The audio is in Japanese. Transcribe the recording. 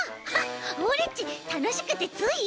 オレっちたのしくてつい。